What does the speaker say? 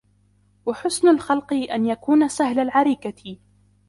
وَحُسْنُ الْخَلْقِ أَنْ يَكُونَ سَهْلَ الْعَرِيكَةِ